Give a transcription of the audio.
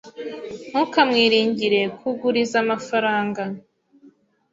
Ntukamwiringire kuguriza amafaranga.